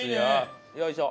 よいしょ。